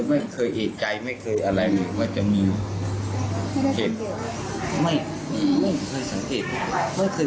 ไม่เคยอุตใจด้วย